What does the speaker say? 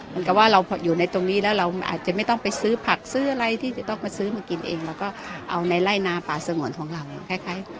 เหมือนกับว่าเราอยู่ในตรงนี้แล้วเราอาจจะไม่ต้องไปซื้อผักซื้ออะไรที่จะต้องมาซื้อมากินเองแล้วก็เอาในไล่นาป่าสงวนของเราคล้าย